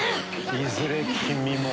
いずれ君も。